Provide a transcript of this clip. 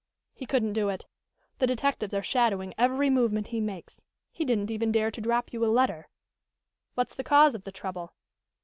"He couldn't do it. The detectives are shadowing every movement he makes. He didn't even dare to drop you a letter." "What's the cause of the trouble?"